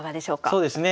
そうですね。